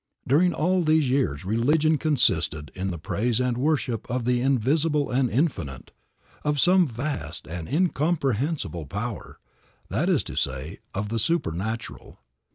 During all these years religion consisted in the praise and worship of the invisible and infinite, of some vast and incomprehensible power, that is to say, of the supernatural.